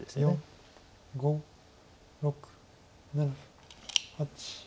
５６７８。